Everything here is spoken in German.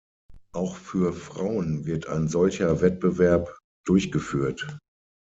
Auch für Frauen wird ein solcher Wettbewerb durchgeführt.